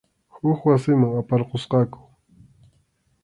Huk wasiman aparqusqaku.